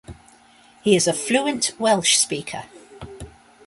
He is a fluent Welsh speaker.